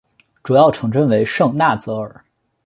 主要城镇为圣纳泽尔。